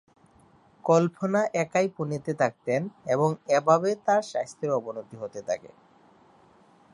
কল্পনা একাই পুনেতে থাকতেন এবং এভাবে তাঁর স্বাস্থ্যের অবনতি হতে থাকে।